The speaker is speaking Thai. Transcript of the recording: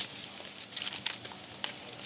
โปรดติดตามต่อไป